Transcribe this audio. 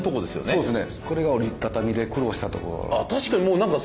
そうですね